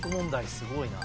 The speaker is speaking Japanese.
すごいなあ。